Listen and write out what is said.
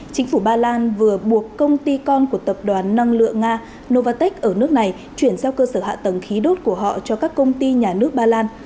chính phủ ba lan vừa buộc công ty con của tập đoàn năng lượng nga novatec ở nước này chuyển sang cơ sở hạ tầng khí đốt của họ cho các công ty nhà nước ba lan